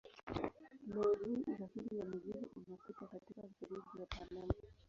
Leo hii usafiri wa mizigo unapita katika mfereji wa Panama.